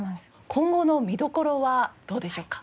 今後の見どころはどうでしょうか？